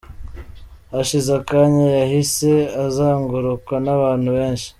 Hashize akanya yahise azengurukwa n’abantu benshi”.